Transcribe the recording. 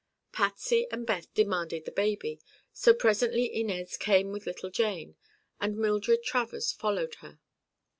Patsy and Beth demanded the baby, so presently Inez came with little Jane, and Mildred Travers followed after.